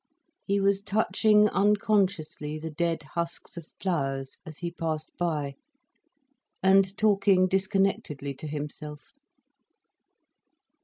He was touching unconsciously the dead husks of flowers as he passed by, and talking disconnectedly to himself.